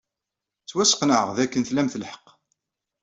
Ttwasqenɛeɣ dakken tlamt lḥeqq.